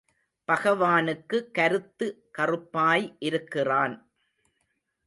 பகவானுக்கு, கருத்து கறுப்பாய் இருக்கிறான்.